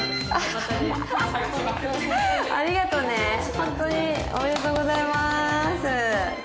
ホントにおめでとうございます。